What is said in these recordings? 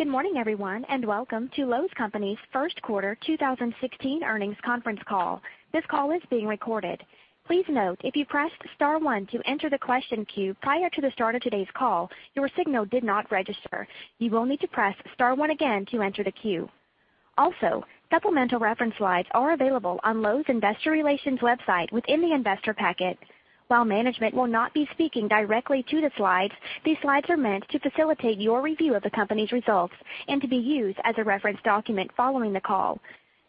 Good morning, everyone, and welcome to Lowe’s Company’s first quarter 2016 earnings conference call. This call is being recorded. Please note, if you pressed star one to enter the question queue prior to the start of today’s call, your signal did not register. You will need to press star one again to enter the queue. Also, supplemental reference slides are available on Lowe’s Investor Relations website within the investor packet. While management will not be speaking directly to the slides, these slides are meant to facilitate your review of the company’s results and to be used as a reference document following the call.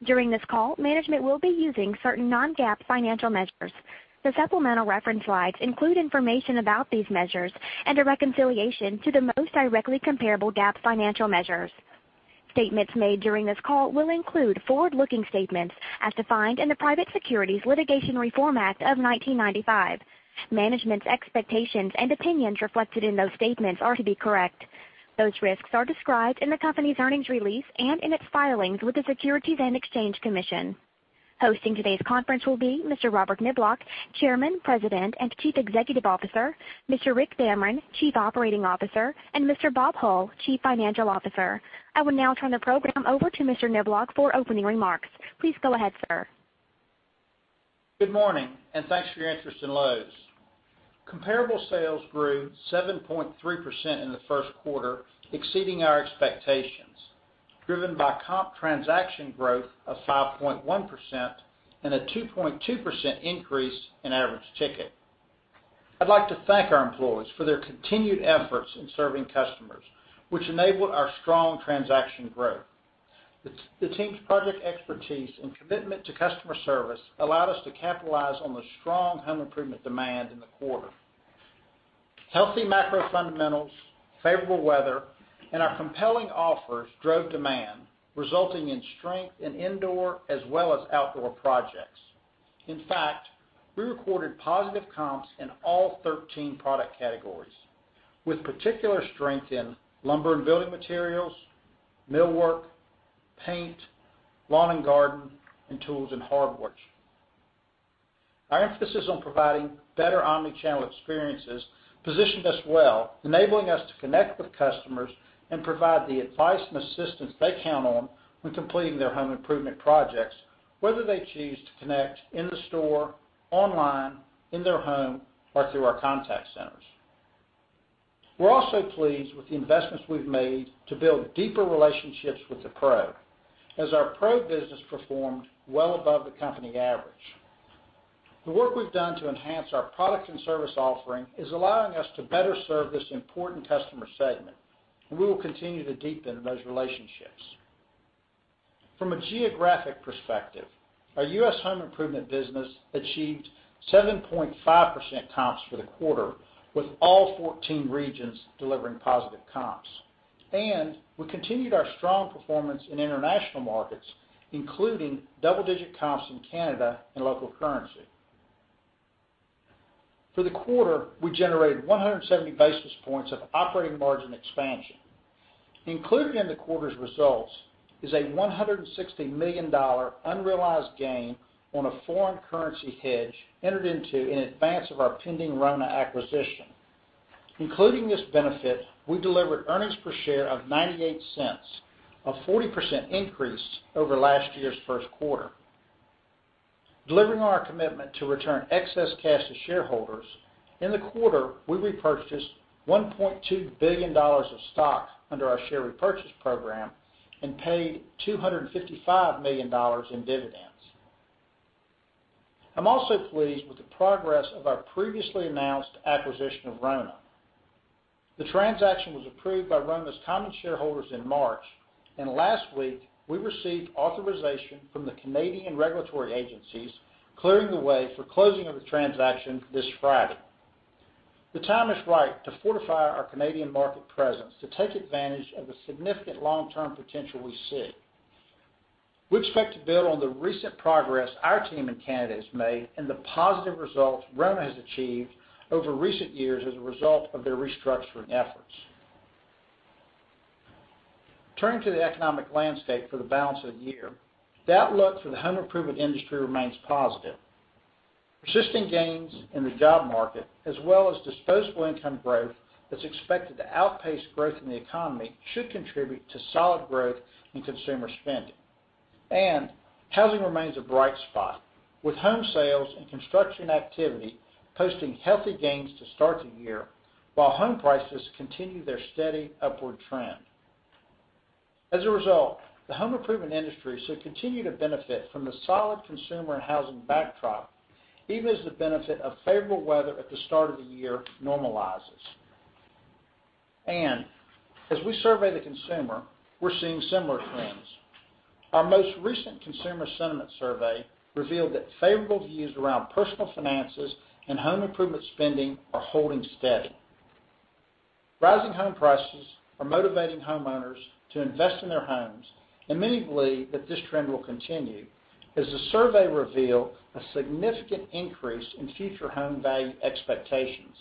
During this call, management will be using certain non-GAAP financial measures. The supplemental reference slides include information about these measures and a reconciliation to the most directly comparable GAAP financial measures. Statements made during this call will include forward-looking statements as defined in the Private Securities Litigation Reform Act of 1995. Management’s expectations and opinions reflected in those statements are to be correct. Those risks are described in the company’s earnings release and in its filings with the Securities and Exchange Commission. Hosting today’s conference will be Mr. Robert Niblock, Chairman, President, and Chief Executive Officer, Mr. Rick Damron, Chief Operating Officer, and Mr. Bob Hull, Chief Financial Officer. I will now turn the program over to Mr. Niblock for opening remarks. Please go ahead, sir. Good morning. Thanks for your interest in Lowe’s. Comparable sales grew 7.3% in the first quarter, exceeding our expectations, driven by comp transaction growth of 5.1% and a 2.2% increase in average ticket. I’d like to thank our employees for their continued efforts in serving customers, which enabled our strong transaction growth. The team’s project expertise and commitment to customer service allowed us to capitalize on the strong home improvement demand in the quarter. Healthy macro fundamentals, favorable weather, and our compelling offers drove demand, resulting in strength in indoor as well as outdoor projects. In fact, we recorded positive comps in all 13 product categories, with particular strength in lumber and building materials, millwork, paint, lawn and garden, and tools and hardware. Our emphasis on providing better omni-channel experiences positioned us well, enabling us to connect with customers and provide the advice and assistance they count on when completing their home improvement projects, whether they choose to connect in the store, online, in their home, or through our contact centers. We’re also pleased with the investments we’ve made to build deeper relationships with the pro, as our pro business performed well above the company average. The work we’ve done to enhance our product and service offering is allowing us to better serve this important customer segment, and we will continue to deepen those relationships. From a geographic perspective, our U.S. home improvement business achieved 7.5% comps for the quarter, with all 14 regions delivering positive comps. We continued our strong performance in international markets, including double-digit comps in Canada in local currency. For the quarter, we generated 170 basis points of operating margin expansion. Included in the quarter’s results is a $160 million unrealized gain on a foreign currency hedge entered into in advance of our pending RONA acquisition. Including this benefit, we delivered earnings per share of $0.98, a 40% increase over last year’s first quarter. Delivering on our commitment to return excess cash to shareholders, in the quarter, we repurchased $1.2 billion of stock under our share repurchase program and paid $255 million in dividends. I’m also pleased with the progress of our previously announced acquisition of RONA. The transaction was approved by RONA’s common shareholders in March, and last week we received authorization from the Canadian regulatory agencies, clearing the way for closing of the transaction this Friday. The time is right to fortify our Canadian market presence to take advantage of the significant long-term potential we see. We expect to build on the recent progress our team in Canada has made and the positive results RONA has achieved over recent years as a result of their restructuring efforts. Turning to the economic landscape for the balance of the year, the outlook for the home improvement industry remains positive. Persistent gains in the job market, as well as disposable income growth that’s expected to outpace growth in the economy, should contribute to solid growth in consumer spending. Housing remains a bright spot, with home sales and construction activity posting healthy gains to start the year while home prices continue their steady upward trend. As a result, the home improvement industry should continue to benefit from the solid consumer and housing backdrop, even as the benefit of favorable weather at the start of the year normalizes. As we survey the consumer, we’re seeing similar trends. Our most recent consumer sentiment survey revealed that favorable views around personal finances and home improvement spending are holding steady. Rising home prices are motivating homeowners to invest in their homes, and many believe that this trend will continue as the survey revealed a significant increase in future home value expectations.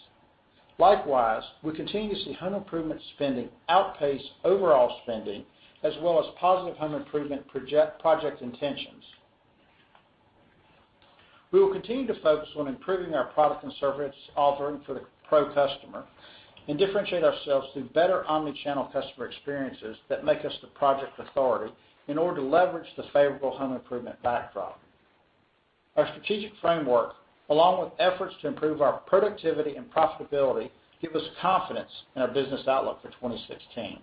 Likewise, we continue to see home improvement spending outpace overall spending, as well as positive home improvement project intentions. We will continue to focus on improving our product and service offering for the pro customer and differentiate ourselves through better omni-channel customer experiences that make us the project authority in order to leverage the favorable home improvement backdrop. Our strategic framework, along with efforts to improve our productivity and profitability, give us confidence in our business outlook for 2016.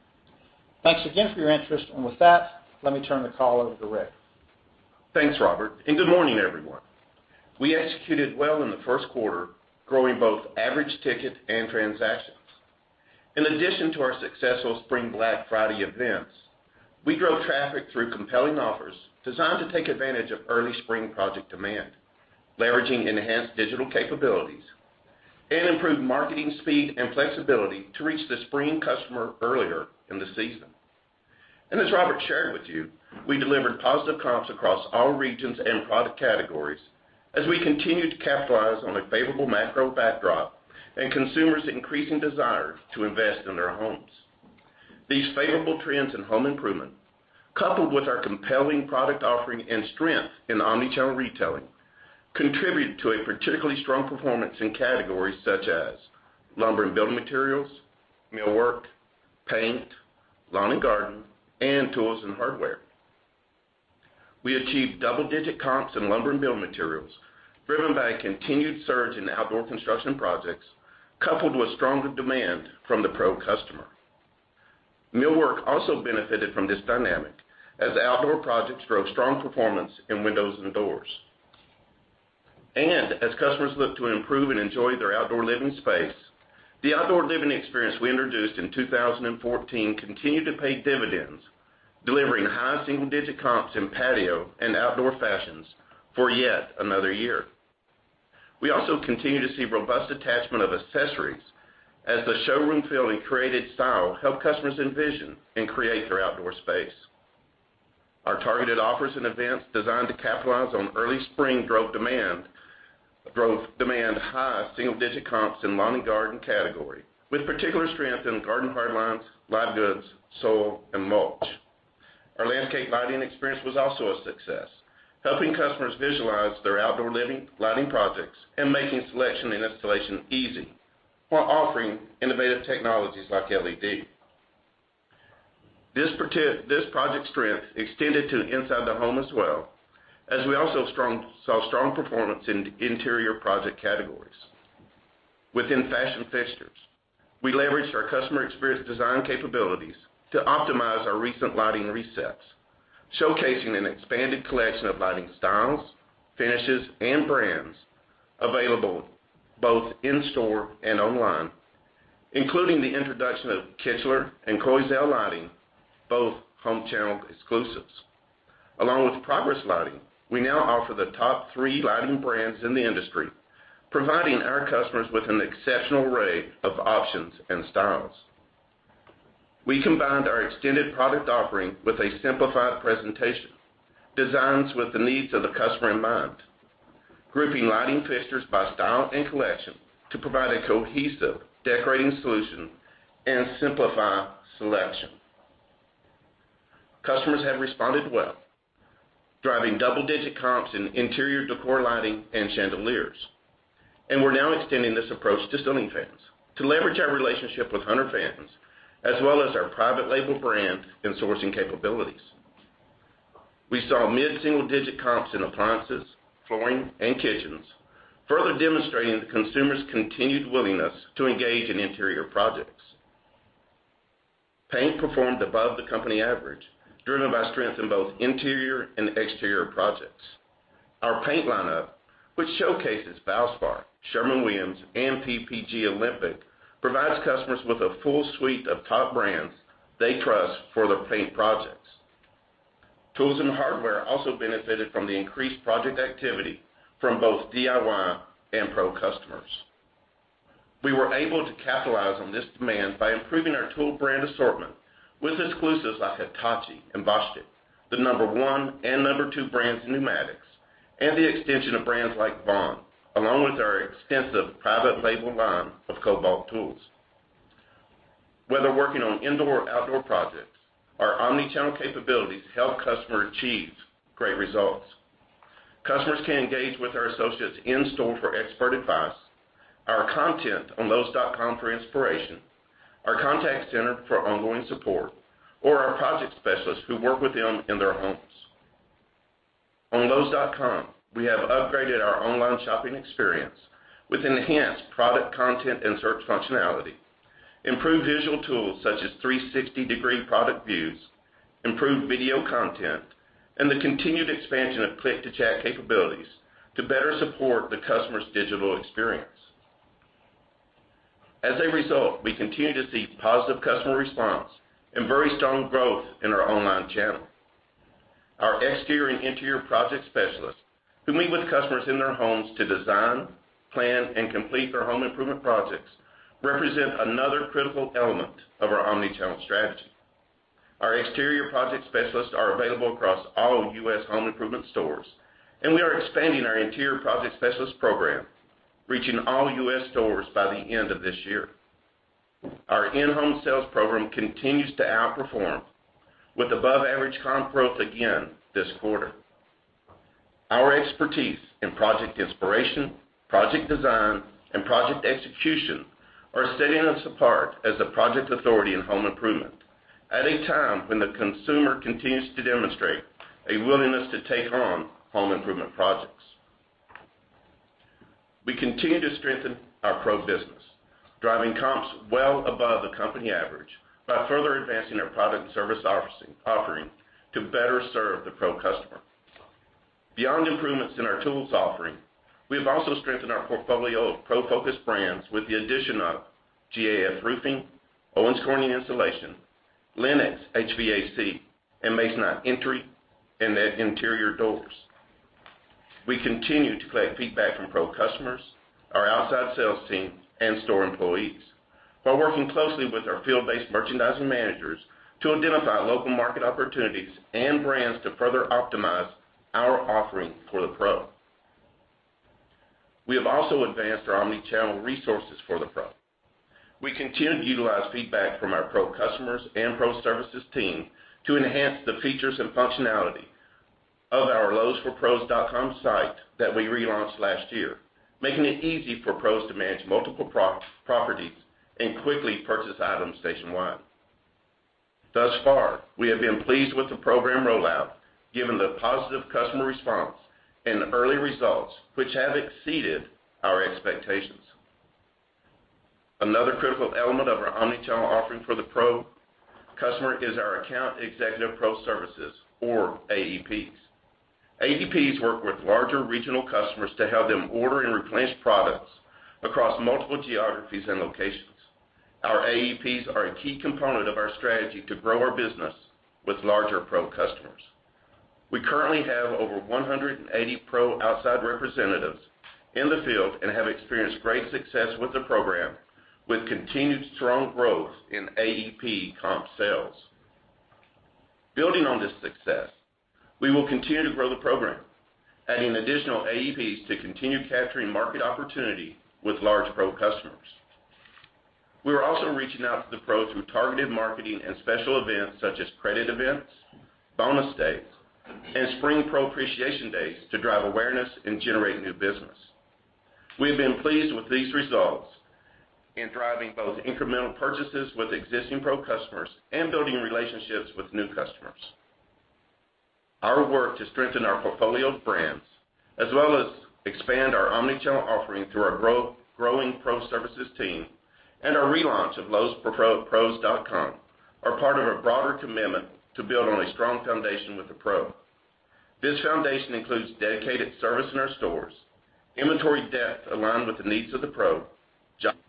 Thanks again for your interest, with that, let me turn the call over to Rick. Thanks, Robert, good morning, everyone. We executed well in the first quarter, growing both average ticket and transactions. In addition to our successful Spring Black Friday events, we grew traffic through compelling offers designed to take advantage of early spring project demand, leveraging enhanced digital capabilities and improved marketing speed and flexibility to reach the spring customer earlier in the season. As Robert shared with you, we delivered positive comps across all regions and product categories as we continued to capitalize on a favorable macro backdrop and consumers' increasing desire to invest in their homes. These favorable trends in home improvement, coupled with our compelling product offering and strength in omni-channel retailing, contributed to a particularly strong performance in categories such as lumber and building materials, millwork, paint, lawn and garden, and tools and hardware. We achieved double-digit comps in lumber and building materials, driven by a continued surge in outdoor construction projects, coupled with stronger demand from the pro customer. Millwork also benefited from this dynamic, as outdoor projects drove strong performance in windows and doors. As customers look to improve and enjoy their outdoor living space, the outdoor living experience we introduced in 2014 continued to pay dividends, delivering high single-digit comps in patio and outdoor fashions for yet another year. We also continue to see robust attachment of accessories as the showroom feel and created style help customers envision and create their outdoor space. Our targeted offers and events designed to capitalize on early spring drove demand high single-digit comps in lawn and garden category, with particular strength in garden hard lines, live goods, soil, and mulch. Our landscape lighting experience was also a success, helping customers visualize their outdoor living lighting projects and making selection and installation easy while offering innovative technologies like LED. This project strength extended to the inside of the home as well, as we also saw strong performance in interior project categories. Within fashion fixtures, we leveraged our customer experience design capabilities to optimize our recent lighting resets, showcasing an expanded collection of lighting styles, finishes, and brands available both in-store and online, including the introduction of Kichler and Quoizel Lighting, both home channel exclusives. Along with Progress Lighting, we now offer the top 3 lighting brands in the industry, providing our customers with an exceptional array of options and styles. We combined our extended product offering with a simplified presentation, designs with the needs of the customer in mind, grouping lighting fixtures by style and collection to provide a cohesive decorating solution and simplify selection. Customers have responded well, driving double-digit comps in interior decor lighting and chandeliers. We're now extending this approach to ceiling fans to leverage our relationship with Hunter fans, as well as our private label brand and sourcing capabilities. We saw mid-single digit comps in appliances, flooring, and kitchens, further demonstrating the consumer's continued willingness to engage in interior projects. Paint performed above the company average, driven by strength in both interior and exterior projects. Our paint lineup, which showcases Valspar, Sherwin-Williams, and PPG Olympic, provides customers with a full suite of top brands they trust for their paint projects. Tools and hardware also benefited from the increased project activity from both DIY and pro customers. We were able to capitalize on this demand by improving our tool brand assortment with exclusives like Hitachi and Bosch, the number 1 and number 2 brands in pneumatics, and the extension of brands like Vaughan, along with our extensive private label line of Kobalt tools. Whether working on indoor or outdoor projects, our omni-channel capabilities help customers achieve great results. Customers can engage with our associates in-store for expert advice, our content on lowes.com for inspiration, our contact center for ongoing support, or our project specialists who work with them in their homes. On lowes.com, we have upgraded our online shopping experience with enhanced product content and search functionality, improved visual tools such as 360-degree product views, improved video content, and the continued expansion of click-to-chat capabilities to better support the customer's digital experience. As a result, we continue to see positive customer response and very strong growth in our online channel. Our exterior and interior project specialists who meet with customers in their homes to design, plan, and complete their home improvement projects represent another critical element of our omni-channel strategy. Our exterior project specialists are available across all U.S. home improvement stores, and we are expanding our interior project specialists program, reaching all U.S. stores by the end of this year. Our in-home sales program continues to outperform with above average comp growth again this quarter. Our expertise in project inspiration, project design, and project execution are setting us apart as a project authority in home improvement at a time when the consumer continues to demonstrate a willingness to take on home improvement projects. We continue to strengthen our pro business, driving comps well above the company average by further advancing our product and service offering to better serve the pro customer. Beyond improvements in our tools offering, we have also strengthened our portfolio of pro-focused brands with the addition of GAF Roofing, Owens Corning Insulation, Lennox HVAC, and Masonite entry and interior doors. We continue to collect feedback from pro customers, our outside sales team, and store employees while working closely with our field-based merchandising managers to identify local market opportunities and brands to further optimize our offering for the pro. We have also advanced our omni-channel resources for the pro. We continue to utilize feedback from our pro customers and pro services team to enhance the features and functionality of our lowesforpros.com site that we relaunched last year, making it easy for pros to manage multiple properties and quickly purchase items nationwide. Thus far, we have been pleased with the program rollout, given the positive customer response and early results, which have exceeded our expectations. Another critical element of our omni-channel offering for the pro customer is our Account Executive Pro Services or AEPs. AEPs work with larger regional customers to help them order and replenish products across multiple geographies and locations. Our AEPs are a key component of our strategy to grow our business with larger pro customers. We currently have over 180 pro outside representatives in the field and have experienced great success with the program with continued strong growth in AEP comp sales. Building on this success, we will continue to grow the program, adding additional AEPs to continue capturing market opportunity with large pro customers. We are also reaching out to the pros through targeted marketing and special events such as credit events, bonus days, and spring pro appreciation days to drive awareness and generate new business. We have been pleased with these results in driving both incremental purchases with existing pro customers and building relationships with new customers. Our work to strengthen our portfolio of brands, as well as expand our omni-channel offering through our growing pro services team and our relaunch of lowesforpros.com are part of a broader commitment to build on a strong foundation with the pro. This foundation includes dedicated service in our stores, inventory depth aligned with the needs of the pro,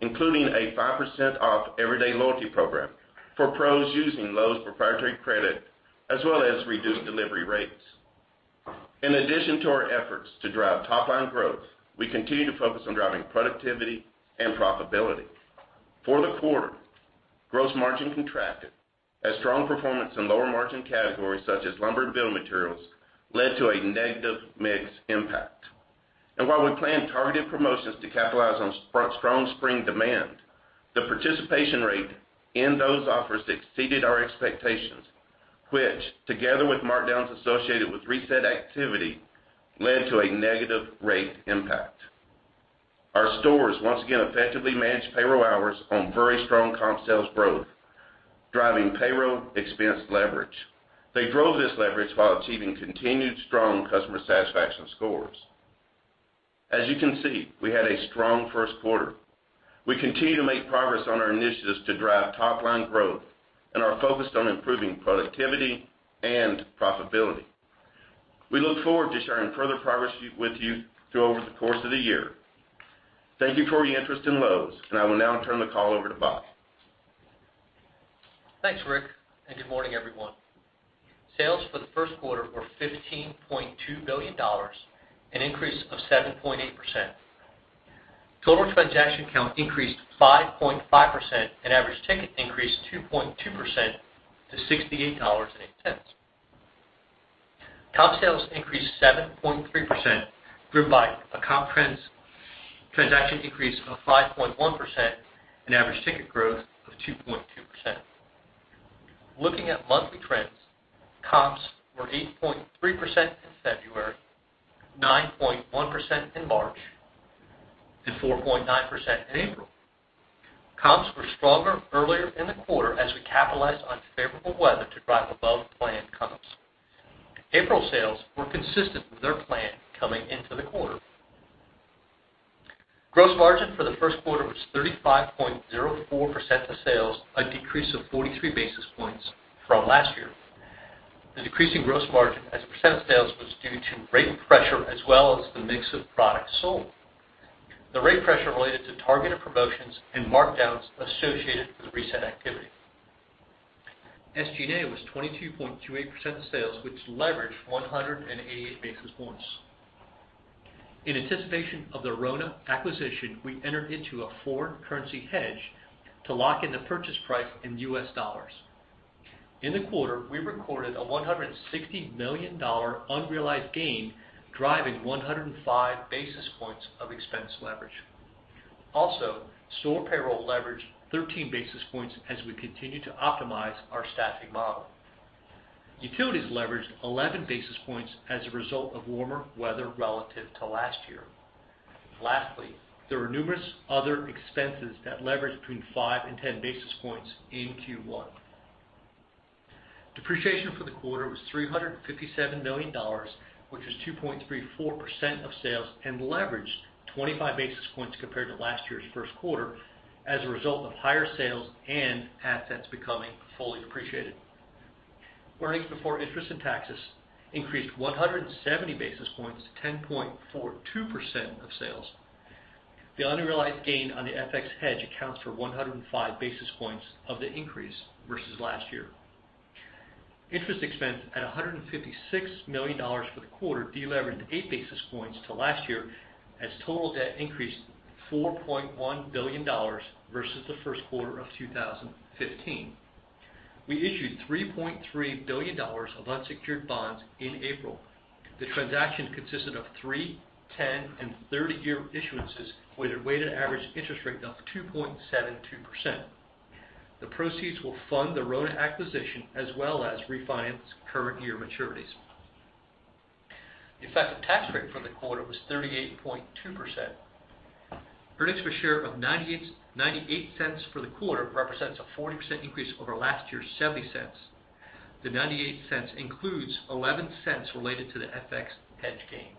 including a 5% off everyday loyalty program for pros using Lowe's proprietary credit, as well as reduced delivery rates. In addition to our efforts to drive top-line growth, we continue to focus on driving productivity and profitability. For the quarter, gross margin contracted as strong performance in lower margin categories such as lumber and building materials led to a negative mix impact. While we plan targeted promotions to capitalize on strong spring demand, the participation rate in those offers exceeded our expectations, which, together with markdowns associated with reset activity, led to a negative rate impact. Our stores once again effectively managed payroll hours on very strong comp sales growth, driving payroll expense leverage. They drove this leverage while achieving continued strong customer satisfaction scores. As you can see, we had a strong first quarter. We continue to make progress on our initiatives to drive top-line growth and are focused on improving productivity and profitability. We look forward to sharing further progress with you over the course of the year. Thank you for your interest in Lowe's, I will now turn the call over to Bob. Thanks, Rick, good morning, everyone. Sales for the first quarter were $15.2 billion, an increase of 7.8%. Total transaction count increased 5.5%, average ticket increased 2.2% to $68.08. Comp sales increased 7.3%, driven by a transaction increase of 5.1%, average ticket growth of 2.2%. Looking at monthly trends, comps were 8.3% in February, 9.1% in March, 4.9% in April. Comps were stronger earlier in the quarter as we capitalized on favorable weather to drive above-plan comps. April sales were consistent with their plan coming into the quarter. Gross margin for the first quarter was 35.04% of sales, a decrease of 43 basis points from last year. The decrease in gross margin as a percent of sales was due to rate pressure as well as the mix of products sold. The rate pressure related to targeted promotions and markdowns associated with the reset activity. SG&A was 22.28% of sales, which leveraged 188 basis points. In anticipation of the RONA acquisition, we entered into a forward currency hedge to lock in the purchase price in US dollars. In the quarter, we recorded a $160 million unrealized gain, driving 105 basis points of expense leverage. Store payroll leveraged 13 basis points as we continue to optimize our staffing model. Utilities leveraged 11 basis points as a result of warmer weather relative to last year. Lastly, there were numerous other expenses that leveraged between five and 10 basis points in Q1. Depreciation for the quarter was $357 million, which was 2.34% of sales leveraged 25 basis points compared to last year's first quarter as a result of higher sales and assets becoming fully depreciated. Earnings before interest and taxes increased 170 basis points to 10.42% of sales. The unrealized gain on the FX hedge accounts for 105 basis points of the increase versus last year. Interest expense at $156 million for the quarter de-leveraged eight basis points to last year as total debt increased to $4.1 billion versus the first quarter of 2015. We issued $3.3 billion of unsecured bonds in April. The transaction consisted of three, 10, and 30 year issuances with a weighted average interest rate of 2.72%. The proceeds will fund the RONA acquisition as well as refinance current year maturities. The effective tax rate for the quarter was 38.2%. Earnings per share of $0.98 for the quarter represents a 40% increase over last year's $0.70. The $0.98 includes $0.11 related to the FX hedge gain.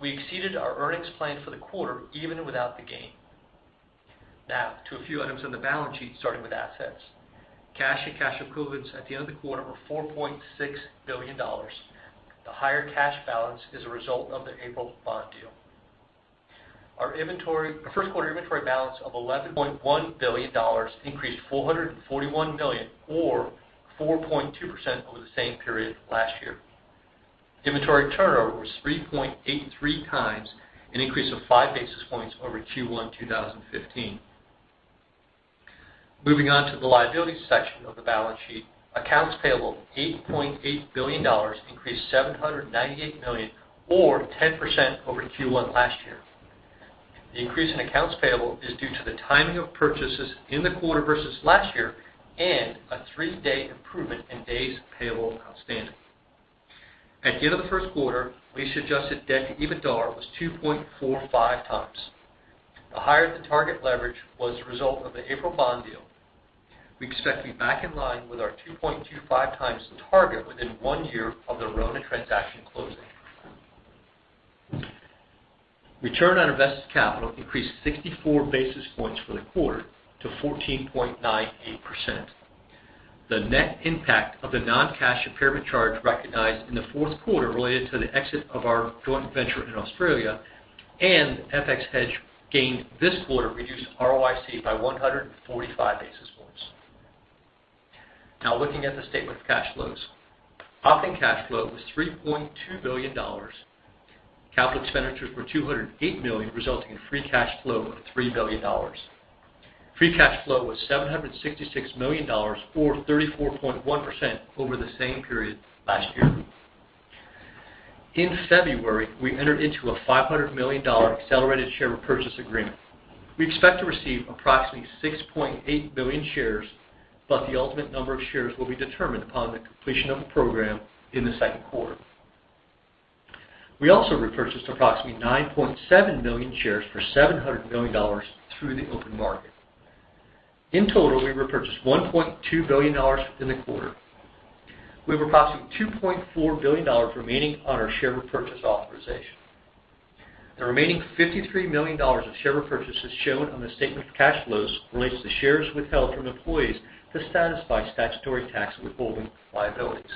We exceeded our earnings plan for the quarter even without the gain. To a few items on the balance sheet, starting with assets. Cash and cash equivalents at the end of the quarter were $4.6 billion. The higher cash balance is a result of the April bond deal. Our first quarter inventory balance of $11.1 billion increased $441 million, or 4.2% over the same period last year. Inventory turnover was 3.83 times, an increase of five basis points over Q1 2015. Moving on to the liabilities section of the balance sheet. Accounts payable, $8.8 billion, increased $798 million or 10% over Q1 last year. The increase in accounts payable is due to the timing of purchases in the quarter versus last year and a three-day improvement in days payable outstanding. At the end of the first quarter, lease-adjusted debt to EBITDA was 2.45 times. The higher-than-target leverage was the result of the April bond deal. We expect to be back in line with our 2.25 times target within one year of the RONA transaction closing. Return on invested capital increased 64 basis points for the quarter to 14.98%. The net impact of the non-cash impairment charge recognized in the fourth quarter related to the exit of our joint venture in Australia and FX hedge gain this quarter reduced ROIC by 145 basis points. Looking at the statement of cash flows. Operating cash flow was $3.2 billion. Capital expenditures were $208 million, resulting in free cash flow of $3 billion. Free cash flow was $766 million, or 34.1% over the same period last year. In February, we entered into a $500 million accelerated share repurchase agreement. We expect to receive approximately 6.8 million shares, but the ultimate number of shares will be determined upon the completion of the program in the second quarter. We also repurchased approximately 9.7 million shares for $700 million through the open market. In total, we repurchased $1.2 billion within the quarter. We have approximately $2.4 billion remaining on our share repurchase authorization. The remaining $53 million of share repurchases shown on the statement of cash flows relates to shares withheld from employees to satisfy statutory tax withholding liabilities.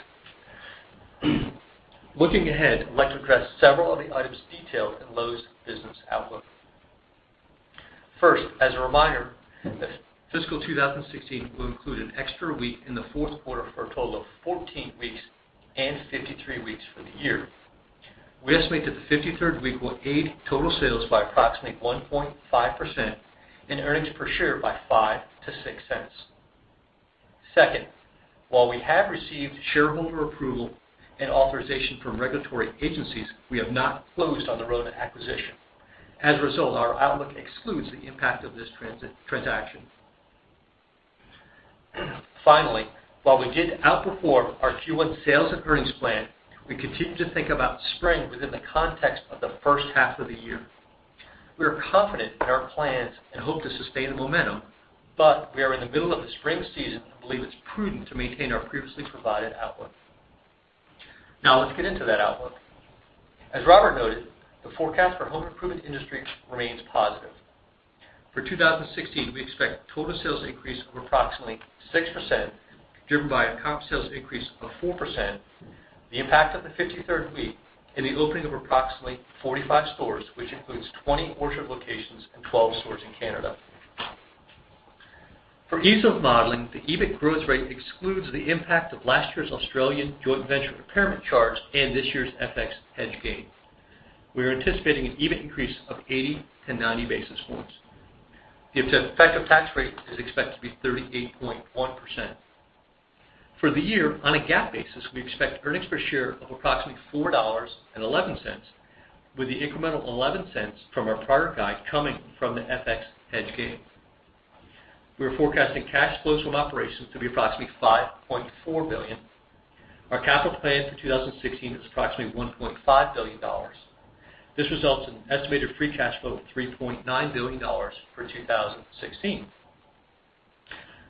Looking ahead, I'd like to address several of the items detailed in Lowe's business outlook. First, as a reminder, fiscal 2016 will include an extra week in the fourth quarter for a total of 14 weeks and 53 weeks for the year. We estimate that the 53rd week will aid total sales by approximately 1.5% and earnings per share by $0.05 to $0.06. Second, while we have received shareholder approval and authorization from regulatory agencies, we have not closed on the RONA acquisition. As a result, our outlook excludes the impact of this transaction. Finally, while we did outperform our Q1 sales and earnings plan, we continue to think about spring within the context of the first half of the year. We are confident in our plans and hope to sustain the momentum, but we are in the middle of the spring season and believe it's prudent to maintain our previously provided outlook. Now, let's get into that outlook. As Robert noted, the forecast for home improvement industry remains positive. For 2016, we expect total sales increase of approximately 6%, driven by a comp sales increase of 4%, the impact of the 53rd week, and the opening of approximately 45 stores, which includes 20 Orchard locations and 12 stores in Canada. For ease of modeling, the EBIT growth rate excludes the impact of last year's Australian joint venture impairment charge and this year's FX hedge gain. We are anticipating an even increase of 80-90 basis points. The effective tax rate is expected to be 38.1%. For the year, on a GAAP basis, we expect earnings per share of approximately $4.11, with the incremental $0.11 from our prior guide coming from the FX hedge gain. We are forecasting cash flows from operations to be approximately $5.4 billion. Our capital plan for 2016 is approximately $1.5 billion. This results in an estimated free cash flow of $3.9 billion for 2016.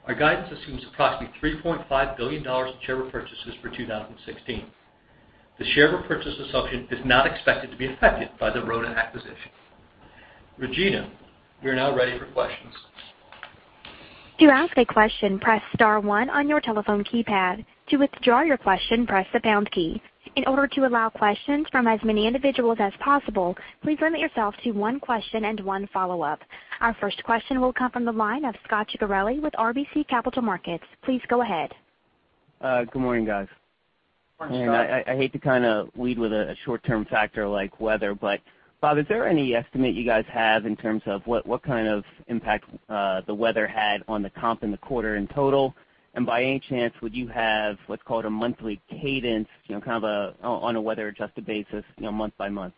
Our guidance assumes approximately $3.5 billion in share repurchases for 2016. The share repurchase assumption is not expected to be affected by the RONA acquisition. Regina, we are now ready for questions. To ask a question, press star one on your telephone keypad. To withdraw your question, press the pound key. In order to allow questions from as many individuals as possible, please limit yourself to one question and one follow-up. Our first question will come from the line of Scot Ciccarelli with RBC Capital Markets. Please go ahead. Good morning, guys. Morning, Scot. I hate to lead with a short-term factor like weather, Bob, is there any estimate you guys have in terms of what kind of impact the weather had on the comp in the quarter in total? By any chance, would you have what's called a monthly cadence, on a weather-adjusted basis, month by month?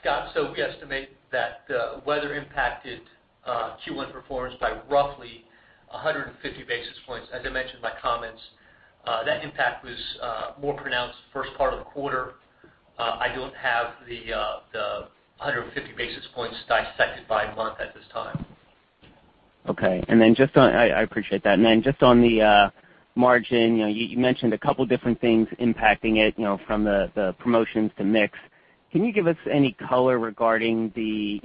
Scot, we estimate that the weather impacted Q1 performance by roughly 150 basis points. As I mentioned in my comments, that impact was more pronounced first part of the quarter. I don't have the 150 basis points dissected by month at this time. Okay. I appreciate that. Just on the margin, you mentioned a couple different things impacting it, from the promotions to mix. Can you give us any color regarding the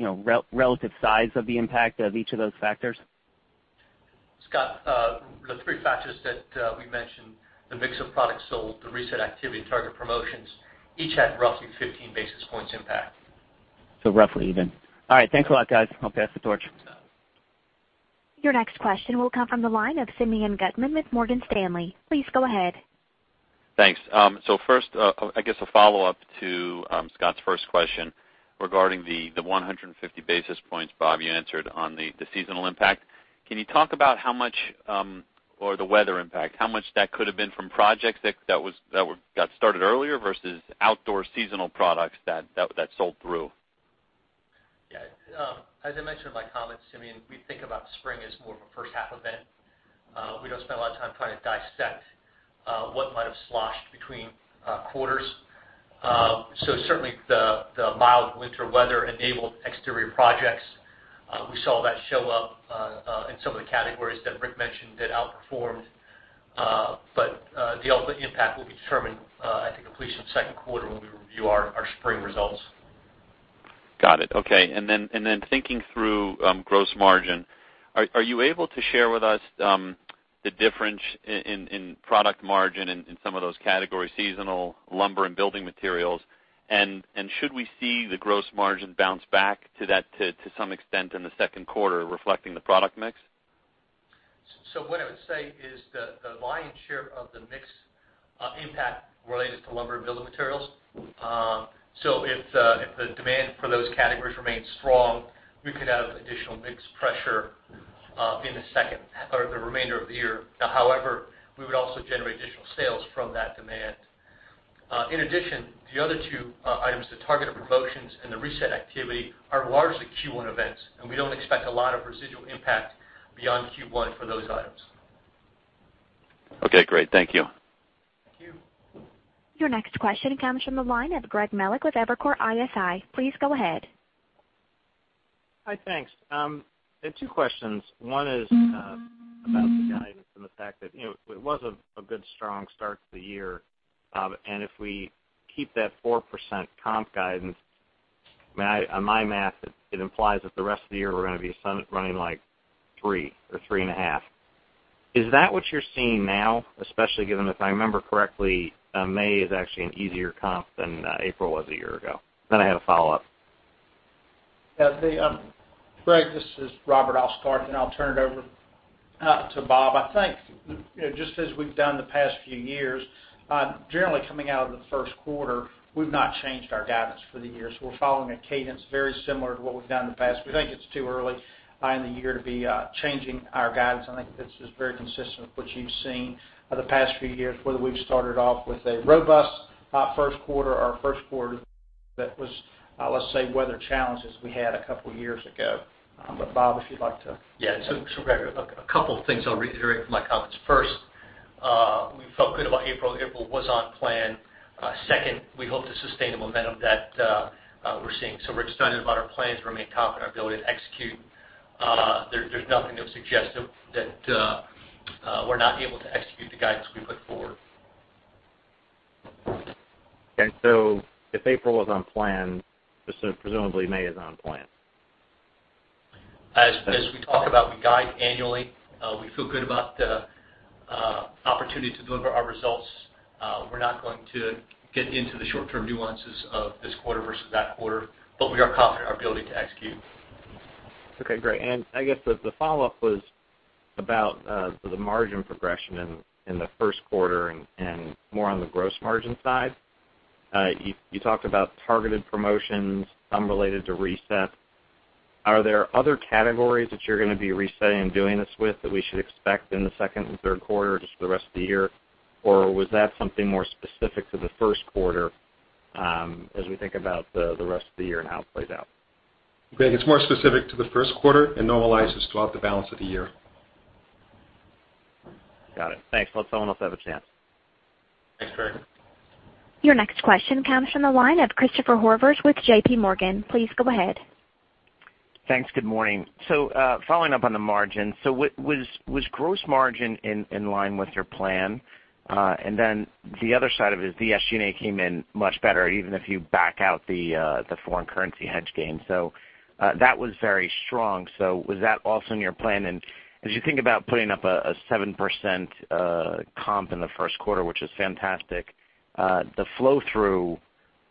relative size of the impact of each of those factors? Scot, the three factors that we mentioned, the mix of products sold, the reset activity, and targeted promotions, each had roughly 15 basis points impact. Roughly even. All right. Thanks a lot, guys. I'll pass the torch. Your next question will come from the line of Simeon Gutman with Morgan Stanley. Please go ahead. Thanks. First, I guess a follow-up to Scot's first question regarding the 150 basis points, Bob, you answered on the seasonal impact. Can you talk about or the weather impact, how much that could've been from projects that got started earlier versus outdoor seasonal products that sold through? Yeah. As I mentioned in my comments, Simeon, we think about spring as more of a first-half event. We don't spend a lot of time trying to dissect what might have sloshed between quarters. Certainly, the mild winter weather enabled exterior projects. We saw that show up in some of the categories that Rick mentioned that outperformed. The ultimate impact will be determined at the completion of the second quarter when we review our spring results. Got it. Okay. Then thinking through gross margin, are you able to share with us the difference in product margin in some of those categories, seasonal lumber and building materials? Should we see the gross margin bounce back to some extent in the second quarter reflecting the product mix? What I would say is the lion's share of the mix impact related to lumber and building materials. If the demand for those categories remains strong, we could have additional mix pressure in the second half or the remainder of the year. However, we would also generate additional sales from that demand. In addition, the other two items, the targeted promotions and the reset activity, are largely Q1 events, and we don't expect a lot of residual impact beyond Q1 for those items. Okay, great. Thank you. Thank you. Your next question comes from the line of Greg Melich with Evercore ISI. Please go ahead. Hi, thanks. I have two questions. One is about the guidance and the fact that it was a good, strong start to the year. If we keep that 4% comp guidance, on my math, it implies that the rest of the year we're going to be running like three or three and a half. Is that what you're seeing now? Especially given, if I remember correctly, May is actually an easier comp than April was a year ago. I have a follow-up. Yeah. Greg, this is Robert Niblock, I'll turn it over to Bob. I think, just as we've done the past few years, generally coming out of the first quarter, we've not changed our guidance for the year. We're following a cadence very similar to what we've done in the past. We think it's too early in the year to be changing our guidance. I think this is very consistent with what you've seen the past few years, whether we've started off with a robust first quarter or a first quarter that was, let's say, weather challenges we had two years ago. Bob, if you'd like to. Yeah. Greg, a couple things I'll reiterate from my comments. First, we felt good about April. April was on plan. Second, we hope to sustain the momentum that we're seeing. We're excited about our plans, remain confident in our ability to execute. There's nothing to suggest that we're not able to execute the guidance we put forward. Okay. If April was on plan, presumably May is on plan. As we talk about, we guide annually. We feel good about the opportunity to deliver our results. We're not going to get into the short-term nuances of this quarter versus that quarter, but we are confident in our ability to execute. Okay, great. I guess the follow-up was about the margin progression in the first quarter and more on the gross margin side. You talked about targeted promotions, some related to reset. Are there other categories that you're going to be resetting and doing this with that we should expect in the second and third quarter, just for the rest of the year? Was that something more specific to the first quarter as we think about the rest of the year and how it plays out? Greg, it's more specific to the first quarter. It normalizes throughout the balance of the year. Got it. Thanks. Let someone else have a chance. Thanks, Greg. Your next question comes from the line of Christopher Horvers with JPMorgan. Please go ahead. Thanks. Good morning. Following up on the margin, was gross margin in line with your plan? The other side of it is the SG&A came in much better, even if you back out the foreign currency hedge gain. That was very strong. Was that also in your plan? As you think about putting up a 7% comp in the first quarter, which is fantastic, the flow-through,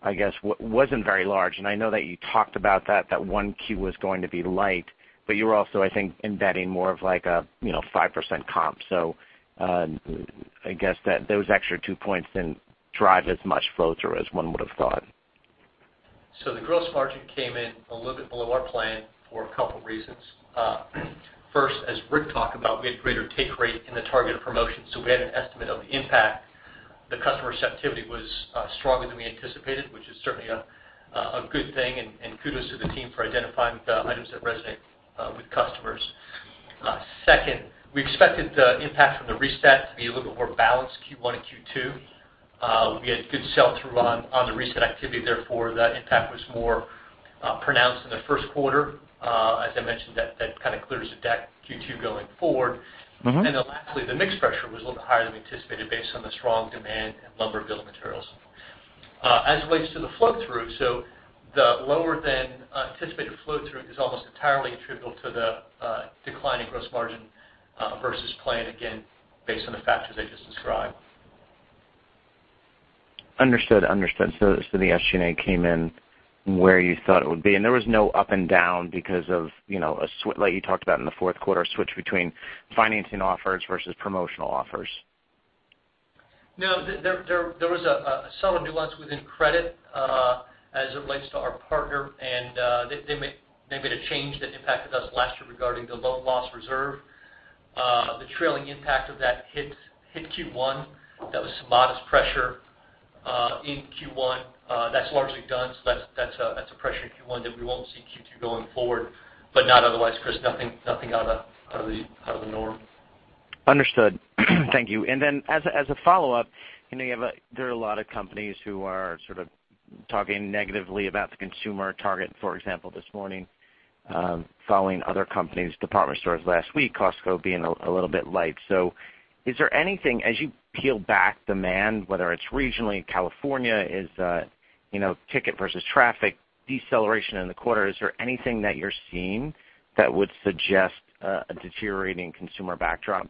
I guess, wasn't very large. I know that you talked about that 1Q was going to be light, but you were also, I think, embedding more of like a 5% comp. I guess that those extra two points didn't drive as much flow-through as one would have thought. The gross margin came in a little bit below our plan for a couple reasons. First, as Rick talked about, we had greater take rate in the targeted promotions, we had an estimate of the impact. The customer receptivity was stronger than we anticipated, which is certainly a good thing, and kudos to the team for identifying the items that resonate with customers. Second, we expected the impact from the reset to be a little bit more balanced Q1 and Q2. We had good sell-through on the reset activity, therefore, that impact was more pronounced in the first quarter. As I mentioned, that kind of clears the deck Q2 going forward. Lastly, the mix pressure was a little bit higher than we anticipated based on the strong demand in lumber building materials. As it relates to the flow-through, the lower than anticipated flow-through is almost entirely attributable to the decline in gross margin versus plan, again, based on the factors I just described. Understood. The SG&A came in where you thought it would be, and there was no up and down because of like you talked about in the fourth quarter, a switch between financing offers versus promotional offers. There was a subtle nuance within credit as it relates to our partner. They made a change that impacted us last year regarding the loan loss reserve. The trailing impact of that hit Q1. That was some modest pressure in Q1. That is largely done. That is a pressure in Q1 that we won't see in Q2 going forward, but not otherwise, Chris. Nothing out of the norm. Understood. Thank you. As a follow-up, there are a lot of companies who are sort of talking negatively about the consumer. Target, for example, this morning following other companies, department stores last week, Costco being a little bit light. Is there anything as you peel back demand, whether it's regionally in California, is ticket versus traffic deceleration in the quarter, is there anything that you're seeing that would suggest a deteriorating consumer backdrop?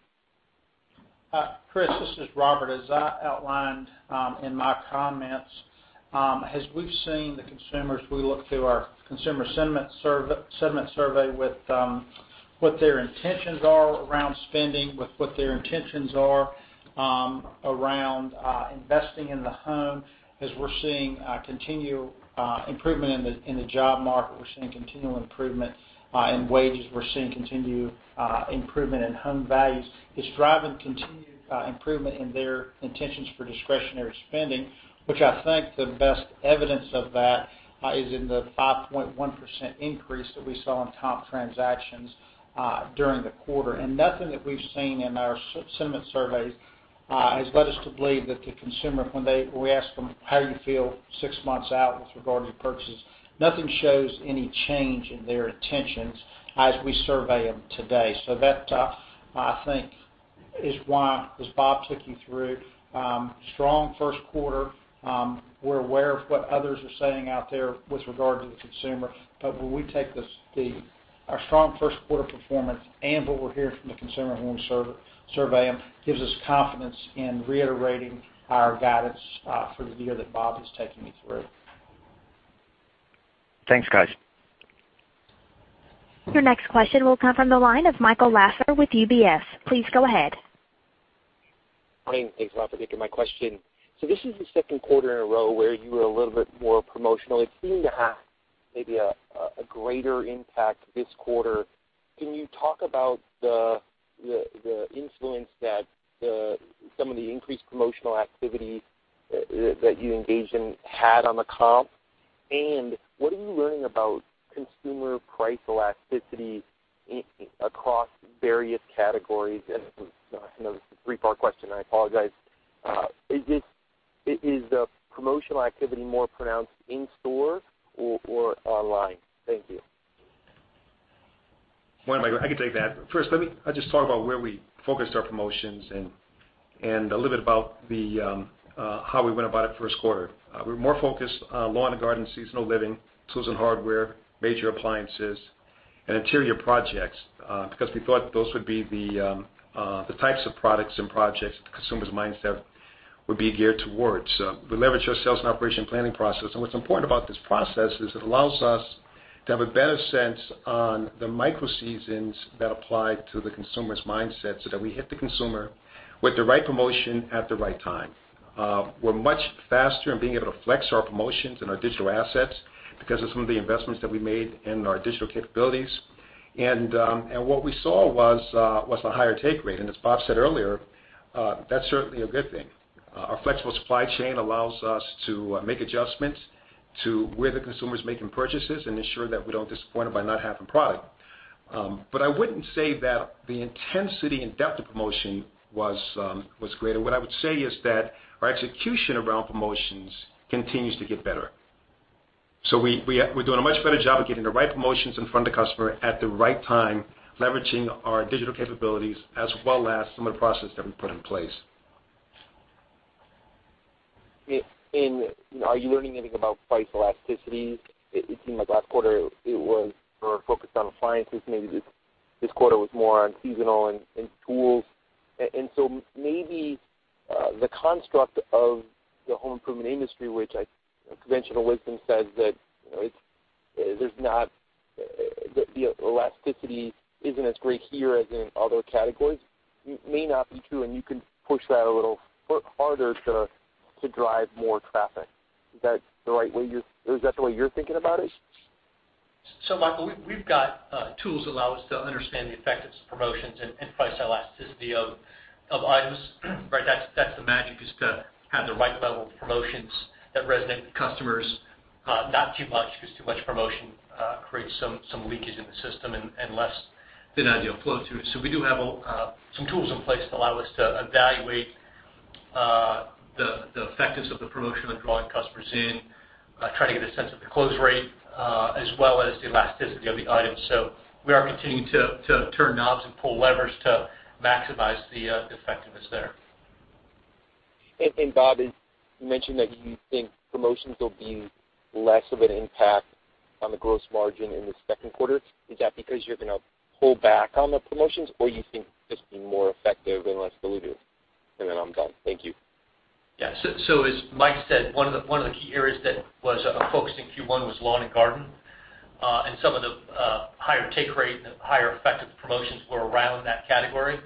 Chris, this is Robert. As I outlined in my comments, as we have seen the consumers, we look to our consumer sentiment survey with what their intentions are around spending, with what their intentions are around investing in the home. As we are seeing a continued improvement in the job market, we are seeing continual improvement in wages. We are seeing continued improvement in home values. It is driving continued improvement in their intentions for discretionary spending, which I think the best evidence of that is in the 5.1% increase that we saw in comp transactions during the quarter. Nothing that we have seen in our sentiment surveys has led us to believe that the consumer, when we ask them how you feel six months out with regard to purchases, nothing shows any change in their intentions as we survey them today. That, I think, is why, as Bob took you through, strong first quarter. We are aware of what others are saying out there with regard to the consumer. When we take our strong first quarter performance and what we are hearing from the consumer when we survey them, gives us confidence in reiterating our guidance for the year that Bob was taking you through. Thanks, guys. Your next question will come from the line of Michael Lasser with UBS. Please go ahead. Morning. Thanks a lot for taking my question. This is the second quarter in a row where you were a little bit more promotional. It seemed to have maybe a greater impact this quarter. Can you talk about the influence that some of the increased promotional activity that you engaged in had on the comp? What are you learning about consumer price elasticity across various categories? I know this is a three-part question, I apologize. Is the promotional activity more pronounced in store or online? Thank you. Michael, I can take that. First, let me just talk about where we focused our promotions and a little bit about how we went about it first quarter. We're more focused on lawn and garden, seasonal living, tools and hardware, major appliances, and interior projects because we thought those would be the types of products and projects the consumers would be geared towards. We leverage our sales and operation planning process. What's important about this process is it allows us to have a better sense on the micro seasons that apply to the consumer's mindset, so that we hit the consumer with the right promotion at the right time. We're much faster in being able to flex our promotions and our digital assets because of some of the investments that we made in our digital capabilities. What we saw was a higher take rate. As Bob said earlier, that's certainly a good thing. Our flexible supply chain allows us to make adjustments to where the consumer's making purchases and ensure that we don't disappoint them by not having product. I wouldn't say that the intensity and depth of promotion was greater. What I would say is that our execution around promotions continues to get better. We're doing a much better job of getting the right promotions in front of the customer at the right time, leveraging our digital capabilities as well as some of the processes that we put in place. Are you learning anything about price elasticities? It seemed like last quarter it was more focused on appliances. Maybe this quarter was more on seasonal and tools. Maybe the construct of the home improvement industry, which conventional wisdom says that the elasticity isn't as great here as in other categories, may not be true, and you can push that a little harder to drive more traffic. Is that the way you're thinking about it? Michael, we've got tools that allow us to understand the effectiveness of promotions and price elasticity of items. That's the magic, is to have the right level of promotions that resonate with customers. Not too much, because too much promotion creates some leakage in the system and less than ideal flow through. We do have some tools in place that allow us to evaluate the effectiveness of the promotion of drawing customers in, try to get a sense of the close rate, as well as the elasticity of the items. We are continuing to turn knobs and pull levers to maximize the effectiveness there. Bob, you mentioned that you think promotions will be less of an impact on the gross margin in the second quarter. Is that because you're going to pull back on the promotions, or you think they'll just be more effective and less dilutive? I'm done. Thank you. Yeah. As Mike said, one of the key areas that was a focus in Q1 was lawn and garden. Some of the higher take rate and higher effective promotions were around that category.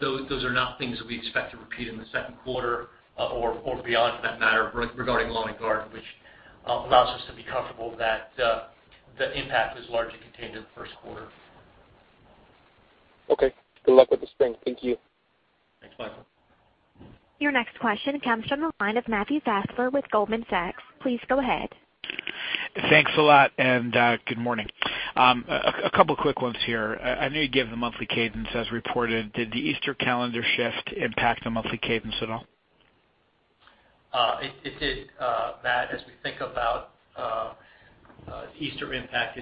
Those are not things that we expect to repeat in the second quarter or beyond for that matter regarding lawn and garden, which allows us to be comfortable that the impact was largely contained in the first quarter. Okay. Good luck with the spring. Thank you. Thanks, Michael. Your next question comes from the line of Matthew Fassler with Goldman Sachs. Please go ahead. Thanks a lot. Good morning. A couple quick ones here. I know you gave the monthly cadence as reported. Did the Easter calendar shift impact the monthly cadence at all? It did, Matt. We think about Easter impact,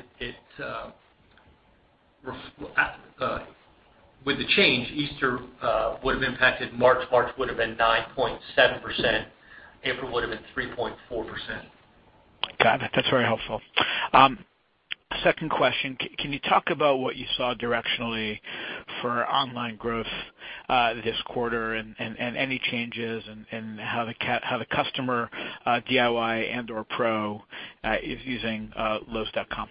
with the change, Easter would've impacted March. March would've been 9.7%. April would've been 3.4%. Got it. That's very helpful. Second question, can you talk about what you saw directionally for online growth this quarter and any changes and how the customer, DIY and/or pro, is using lowes.com?